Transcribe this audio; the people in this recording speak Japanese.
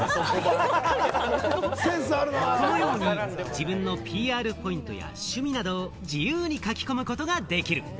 自分のＰＲポイントや趣味などを自由に書き込むことができる。